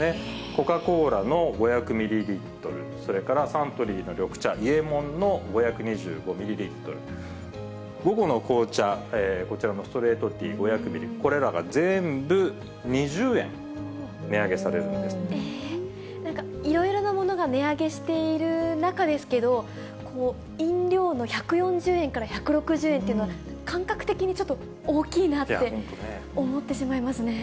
コカ・コーラの５００ミリリットル、それからサントリーの緑茶伊右衛門の５２５ミリリットル、午後の紅茶、こちらのストレートティー５００ミリ、これらが全部２０円、なんかいろいろなものが値上げしている中ですけど、飲料の１４０円から１６０円っていうのは、感覚的にちょっと大きいなって思ってしまいますね。